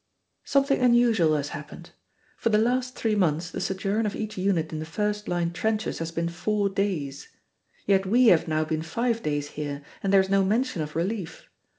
Something unusual has happened. For the last three months the sojourn of each unit in the first line trenches has been four days. Yet we have now been five days here and there is no mention of relief.